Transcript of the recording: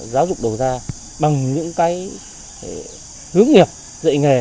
giáo dục đầu ra bằng những cái hướng nghiệp dạy nghề